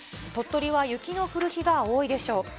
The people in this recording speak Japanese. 鳥取は雪の降る日が多いでしょう。